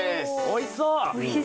おいしそう。